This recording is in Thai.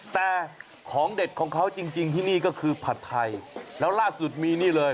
แต่ของเด็ดของเขาจริงที่นี่ก็คือผัดไทยแล้วล่าสุดมีนี่เลย